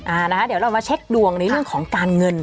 อ่านะคะเดี๋ยวเรามาเช็คดวงในเรื่องของการเงิน